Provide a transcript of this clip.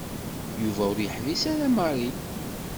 Yuba ur yeḥbis ara Mary.